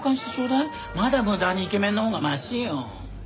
まだ無駄にイケメンのほうがマシよ。